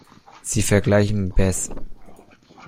Sie vergleichen bez.